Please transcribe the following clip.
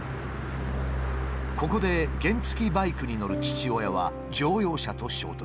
ここで原付バイクに乗る父親は乗用車と衝突。